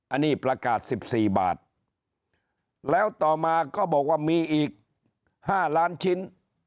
อันนี้ประกาศ๑๔บาทแล้วต่อมาก็บอกว่ามีอีก๕ล้านชิ้น